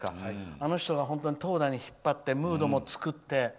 あの人が投打に引っ張ってムードも作って。